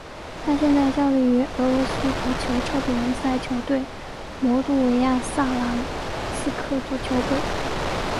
他现在效力于俄罗斯足球超级联赛球队摩度维亚萨兰斯克足球会。